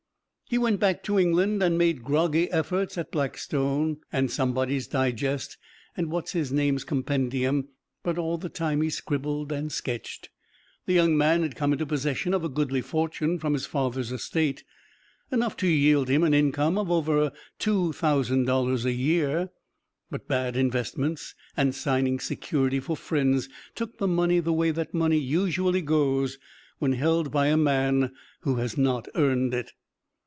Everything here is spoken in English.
He went back to England and made groggy efforts at Blackstone, and Somebody's Digest, and What's His Name's Compendium, but all the time he scribbled and sketched. The young man had come into possession of a goodly fortune from his father's estate enough to yield him an income of over two thousand dollars a year. But bad investments and signing security for friends took the money the way that money usually goes when held by a man who has not earned it.